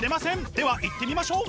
ではいってみましょう！